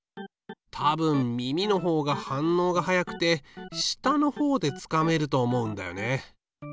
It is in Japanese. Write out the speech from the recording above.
多分耳のほうが反応がはやくて下のほうでつかめると思うんだよね。